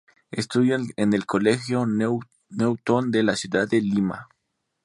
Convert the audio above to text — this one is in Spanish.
Estudió en el Colegio Newton de la ciudad de Lima.